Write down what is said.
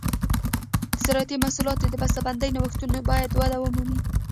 د زراعتي محصولاتو د بسته بندۍ نوښتونه باید وده ومومي.